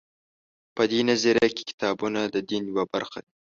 په دې نظریه کې کتابونه د دین یوه برخه دي.